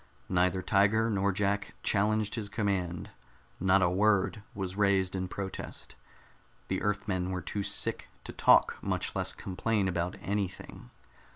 Neither Tiger nor Jack challenged his command; not a word was raised in protest. The Earthmen were too sick to talk, much less complain about anything.